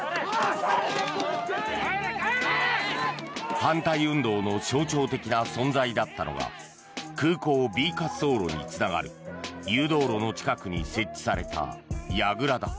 反対運動の象徴的な存在だったのが空港Ｂ滑走路につながる誘導路の近くに設置されたやぐらだ。